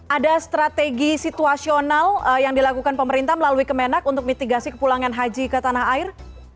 ada strategi situasional yang dilakukan pemerintah melalui kemenak untuk mitigasi kepulangan haji ke tanah air